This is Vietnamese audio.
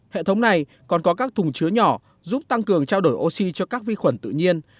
hệ thống này còn có các thùng chứa nhỏ giúp tăng cường trao đổi oxy cho các vi khuẩn tự nhiên